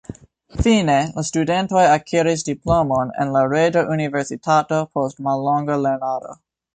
Fine la studentoj akiris diplomon en la Reĝa Universitato post mallonga lernado.